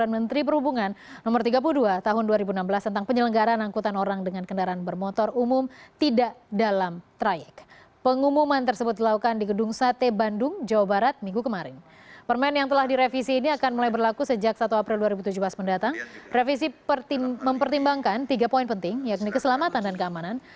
mempertimbangkan tiga poin penting yakni keselamatan dan keamanan